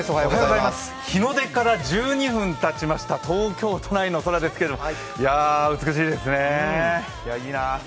日の出から１２分たちました東京都内の空ですけれども、や、美しいですね、いいな。